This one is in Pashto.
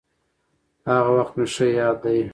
هغه وخت مې ښه ياد دي.